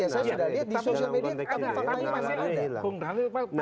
saya sudah lihat di sosial media